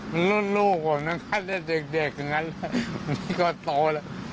มันรุ่นลูกผมอ่ะอย่างเด็กหน้าแบบนี้เขาโตแล้ว